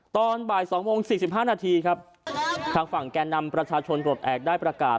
ตอนบ่ายสองโมงสี่สิบห้านาทีครับครับทางฝั่งแก่นำประชาชนกรดแอบได้ประกาศ